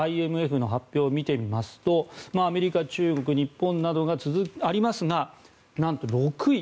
ＩＭＦの発表を見てみますとアメリカ、中国、日本などがありますがなんと６位。